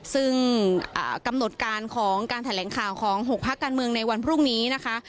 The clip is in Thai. ซึ่งกำหนดการของการแถลงข่าวของ๖พักการเมืองในวันพรุ่งนี้นะคะ